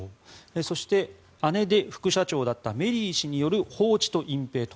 そして、姉で副社長だったメリー氏による放置と隠ぺいと。